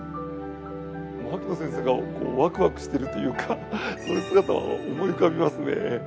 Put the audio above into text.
牧野先生がこうワクワクしているというかそういう姿を思い浮かびますね。